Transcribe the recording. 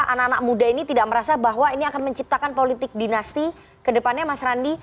anak anak muda ini tidak merasa bahwa ini akan menciptakan politik dinasti ke depannya mas randi